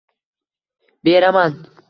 — Beraman.